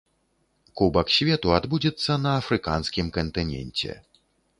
Кубак свету адбудзецца на афрыканскім кантыненце.